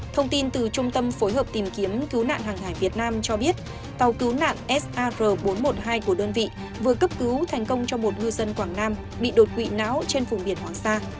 thông tin từ trung tâm phối hợp tìm kiếm cứu nạn hàng hải việt nam cho biết tàu cứu nạn sar bốn trăm một mươi hai của đơn vị vừa cấp cứu thành công cho một ngư dân quảng nam bị đột quỵ não trên vùng biển hoàng sa